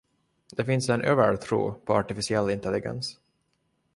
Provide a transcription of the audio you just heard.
Det finns en övertro på artificiell intelligens